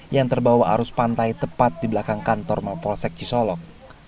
yang terbawa arus pantai tepat di belakang kantor mapol sekci solok